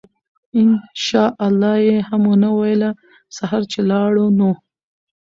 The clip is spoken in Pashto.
إن شاء الله ئي هم ونه ويله!! سهار چې لاړو نو